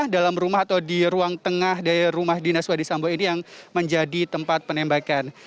dalam rumah atau di ruang tengah dari rumah dinas verdi sambo ini yang menjadi tempat penembakan